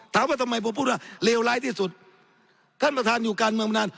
ถามว่าทำไมผมพูดว่าเลวร้ายที่สุดท่านประธานอยู่การเมืองมานาน